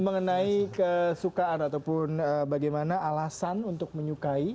mengenai kesukaan ataupun bagaimana alasan untuk menyukai